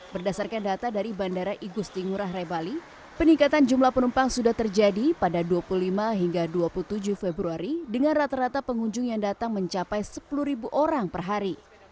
berdasarkan data dari bandara igusti ngurah rai bali peningkatan jumlah penumpang sudah terjadi pada dua puluh lima hingga dua puluh tujuh februari dengan rata rata pengunjung yang datang mencapai sepuluh orang per hari